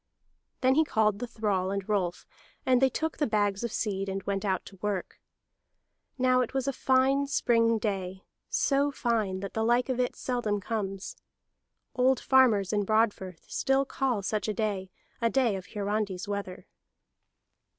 Then he called the thrall and Rolf; and they took the bags of seed, and went out to work. Now that was a fine spring day, so fine that the like of it seldom comes. Old farmers in Broadfirth still call such a day a day of Hiarandi's weather.